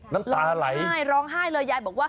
น้ำตาไหลร้องไห้เลยล้อยอย่ายบอกว่า